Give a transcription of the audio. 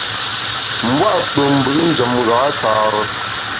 Mbua’ nkpù mbù njem gha tare.